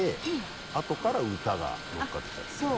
あとから歌が乗っかってきたってことですか？